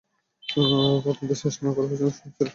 তদন্ত শেষ না হওয়া পর্যন্ত শহর ছেড়ে কোত্থাও যাবে না।